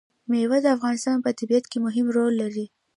مېوې د افغانستان په طبیعت کې مهم رول لري.